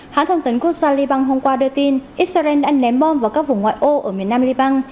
hãng thông tấn quốc gia liban hôm qua đưa tin israel đã ném bom vào các vùng ngoại ô ở miền nam liban